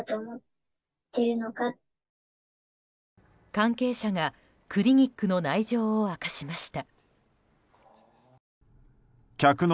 関係者がクリニックの内情を明かしました。